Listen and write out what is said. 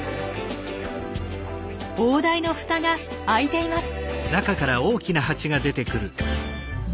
王台の蓋が開いています。